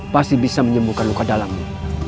pasti bisa menyembuhkan luka dalamnya